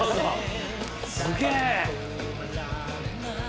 すげえ！